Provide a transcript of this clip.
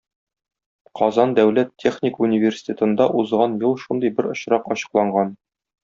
Казан дәүләт техник университетында узган ел шундый бер очрак ачыкланган.